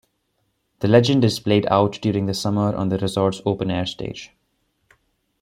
The legend is played out during the summer on the resort's open-air stage.